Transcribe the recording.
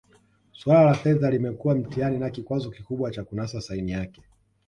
Suala la fedha limekuwa mtihani na kikwazo kikubwa cha kunasa saini yake